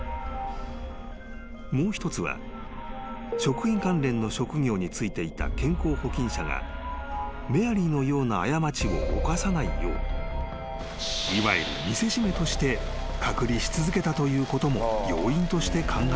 ［もう一つは食品関連の職業に就いていた健康保菌者がメアリーのような過ちを犯さないよういわゆる見せしめとして隔離し続けたということも要因として考えられるという。